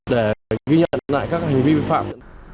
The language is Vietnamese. để ghi nhận lại các hành vi vi phạm